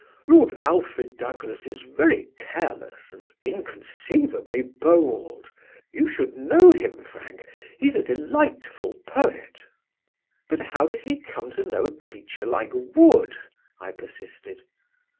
"Lord Alfred Douglas is very careless and inconceivably bold. You should know him, Frank; he's a delightful poet." "But how did he come to know a creature like Wood?" I persisted.